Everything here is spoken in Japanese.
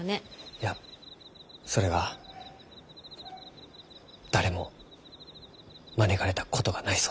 いやそれが誰も招かれたことがないそうじゃ。